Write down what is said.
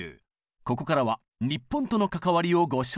ここからは日本との関わりをご紹介。